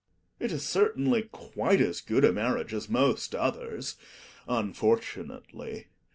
It is certaii ly q,iite' cs gooi a raarriage as most others, unfortunately.